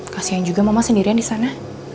kasian juga mama sendirian di sana